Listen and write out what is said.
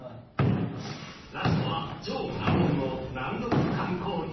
［ラストは超難問の難読観光地］